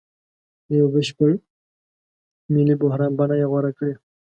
د یوه بشپړ ملي بحران بڼه یې غوره کړې.